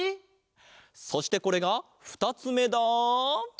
そしてこれが２つめだ！